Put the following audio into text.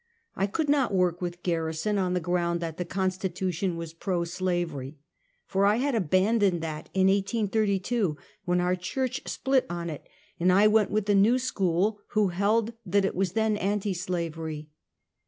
I could not work with Garrison on the ground that the Constitu tion was pro slaverj, for I had abandoned that in 1832, when our church split on it and I went with the New School, who held that it was then anti slavery.